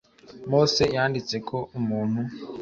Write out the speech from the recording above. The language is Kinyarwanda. mose yanditse ko umuntu